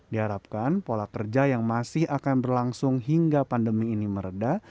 diharapkan pola kerja yang masih akan berlangsung hingga pandemi ini meredah